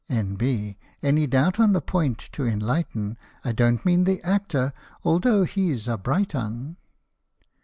[N.B. Any doubt on the point to enlighten, I don't mean the actor, although he 's a bright 'un.